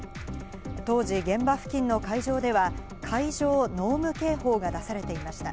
当時、現場付近の海上では海上濃霧警報が出されていました。